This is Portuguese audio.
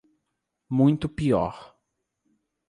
Muito pior